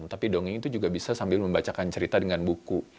tapi dongeng itu juga bisa sambil membacakan cerita dengan buku